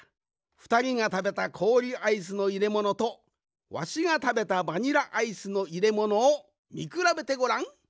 ふたりがたべたこおりアイスのいれものとわしがたべたバニラアイスのいれものをみくらべてごらん。